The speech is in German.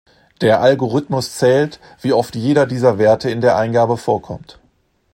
Der Algorithmus zählt, wie oft jeder dieser Werte in der Eingabe vorkommt.